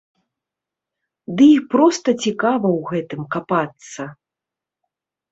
Ды і проста цікава ў гэтым капацца!